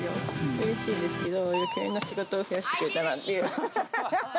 うれしいですけど、よけいな仕事を増やしてくれたなっていう。